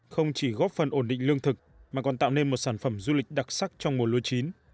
không chỉ góp phần ổn định lương thực mà còn tạo nên một sản phẩm du lịch đặc sắc trong mùa lưu chín